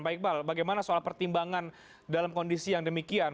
pak iqbal bagaimana soal pertimbangan dalam kondisi yang demikian